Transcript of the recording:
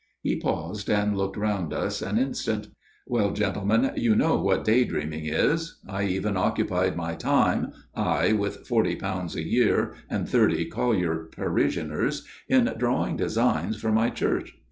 He paused, and looked round at us an instant. " Well, gentlemen, you know what day dream ing is. I even occupied my time I with forty pounds a year and thirty collier parishioners in drawing designs for my church.